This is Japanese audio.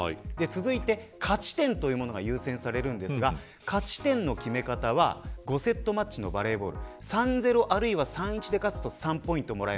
続いて勝ち点というのが優先されるんですが勝ち点の決め方は５セットマッチのバレーボール。